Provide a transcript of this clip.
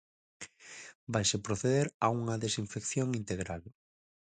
Vaise proceder a unha desinfección integral.